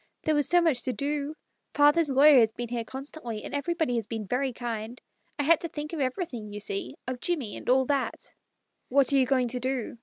"There was so much to do. Father's lawyer has been here constantly, and I had to think of everything, you see — of Jimmie, and all that." " What are you going to do